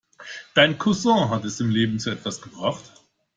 Dein Cousin hat es im Leben zu was gebracht.